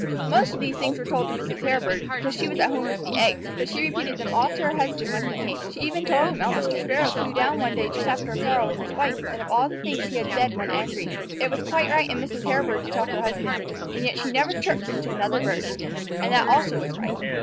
Most of these things were told to Mrs. Hairbird, because she was at home with the eggs, but she repeated them all to her husband when he came. She even told him how Mr. Sparrow flew down one day just after a quarrel with his wife, and of all the things he had said when angry. It was quite right in Mrs. Hairbird to tell her husband, and yet she never chirped them to another bird. And that also was right.